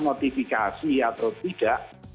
notifikasi atau tidak